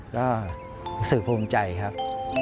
ก็รู้สึกภูมิใจครับ